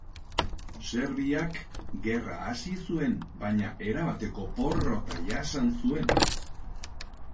Serbiak gerra hasi zuen baina erabateko porrota jasan zuen.